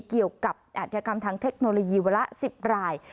เกี่ยวกับอัธยกรรมทางเทคโนโลยีวันละ๑๐ราย